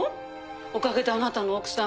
おかげであなたの奥さん